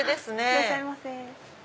いらっしゃいませ。